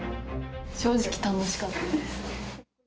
正直、楽しかったです。